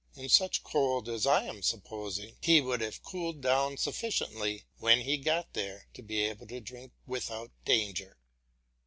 In such cold as I am supposing, he would have cooled down sufficiently when he got there to be able to drink without danger.